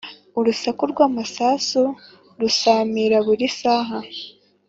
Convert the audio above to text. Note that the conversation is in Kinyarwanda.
Urusaku rw'amasasu rusamira buri saha